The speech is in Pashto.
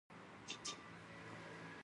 او بله خبره مې دا کوله